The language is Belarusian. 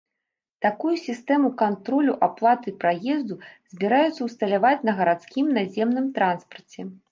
Такую сістэму кантролю аплаты праезду збіраюцца ўсталяваць на гарадскім наземным транспарце.